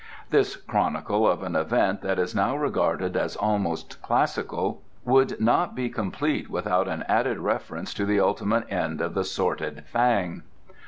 This chronicle of an event that is now regarded as almost classical would not be complete without an added reference to the ultimate end of the sordid Fang.